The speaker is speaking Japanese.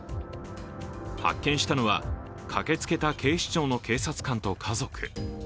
発見したのは、駆けつけた警視庁の警察官と家族。